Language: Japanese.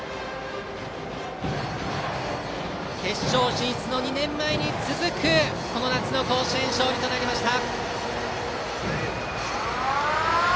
決勝進出の２年前に続くこの夏の甲子園勝利となりました。